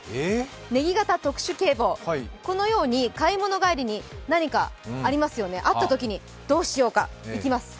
ネギ型特殊警棒、このように買い物帰りに何かあったときにどうしようか。いきます。